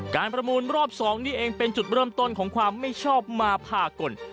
ประมูลรอบ๒นี่เองเป็นจุดเริ่มต้นของความไม่ชอบมาพากล